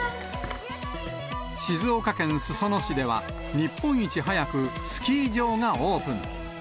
静岡県裾野市では、日本一早くスキー場がオープン。